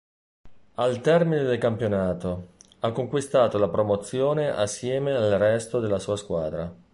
Al termine del campionato, ha conquistato la promozione assieme al resto della sua squadra.